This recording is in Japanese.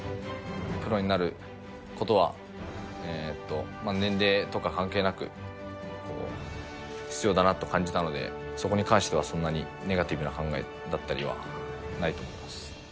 プロになることは、年齢とか関係なく、必要だなと感じたので、そこに関してはそんなにネガティブな考えだったりはないと思います。